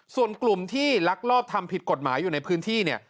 ส่วนกลุ่มที่ลักลอบทำผิดกฎหมายอยู่ในพื้นที่เนี่ย